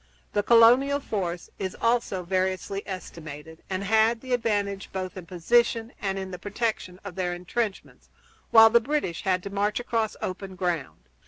The colonial force is also variously estimated, and had the advantage both in position and in the protection of their intrenchments, while the British had to march across open ground.